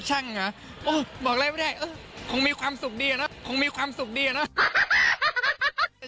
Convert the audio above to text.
ช่างอะบอกอะไรไม่ได้คงมีความสุขดีอะนะ